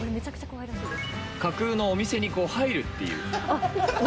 架空のお店に入るっていう。